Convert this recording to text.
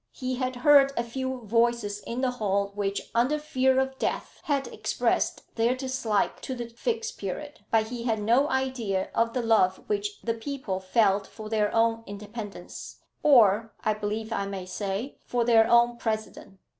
He had heard a few voices in the hall, which, under fear of death, had expressed their dislike to the Fixed Period; but he had no idea of the love which the people felt for their own independence, or, I believe I may say, for their own president.